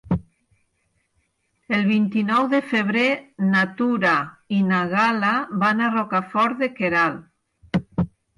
El vint-i-nou de febrer na Tura i na Gal·la van a Rocafort de Queralt.